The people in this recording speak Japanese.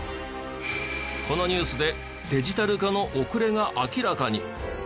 このニュースでデジタル化の遅れが明らかに。